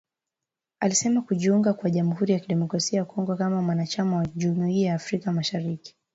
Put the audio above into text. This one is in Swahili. alisema kujiunga kwa jamuhuri ya kidemokrasia ya Kongo kama mwanachama wa jumuia ya afrika mashariki